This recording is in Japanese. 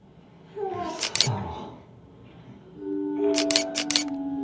うそだろ。